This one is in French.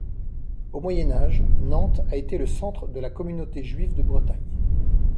Au Moyen Âge, Nantes a été le centre de la communauté Juive de Bretagne.